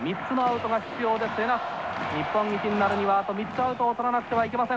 日本一になるにはあと３つアウトを取らなくてはいけません。